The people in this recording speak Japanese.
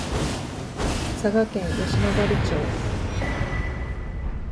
佐賀県吉野ヶ里町